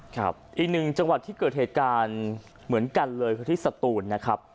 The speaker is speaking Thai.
อีกหนึ่งจังหวัดที่เกิดเหตุการณ์เหมือนกันเลยคือที่สตูนนะครับ